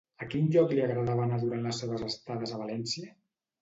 A quin lloc li agradava anar durant les seves estades a València?